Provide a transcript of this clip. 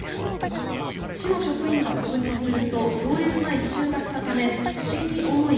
市の職員が確認すると強烈な異臭がしたため不審に思い